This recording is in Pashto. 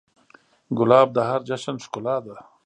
ګلاب د هر جشن ښکلا ده.